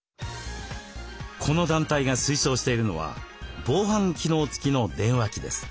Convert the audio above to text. この団体が推奨しているのは防犯機能付きの電話機です。